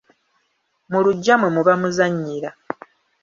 Mu luggya mwe muba muzannyira.